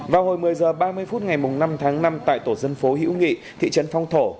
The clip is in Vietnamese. vào hồi một mươi h ba mươi phút ngày năm tháng năm tại tổ dân phố hữu nghị thị trấn phong thổ